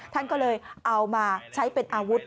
ท่านก็เลยเอามาใช้เป็นอาวุธ